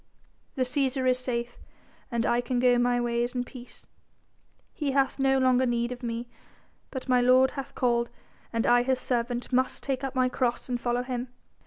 "The Cæsar is safe, and I can go my ways in peace. He hath no longer need of me but my Lord hath called and I His servant must take up my cross and follow Him.